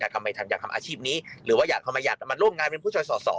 ทำไมอยากทำอาชีพนี้หรือว่าอยากทำไมอยากมาร่วมงานเป็นผู้ชายสอสอ